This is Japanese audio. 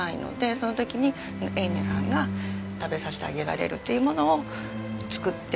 その時にえんねさんが食べさせてあげられるっていうものを作って。